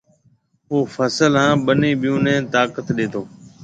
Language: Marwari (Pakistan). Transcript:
او فصل هانَ ٻنِي ٻئيون نَي طاقت ڏيتو۔